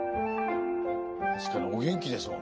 確かにお元気ですもんね。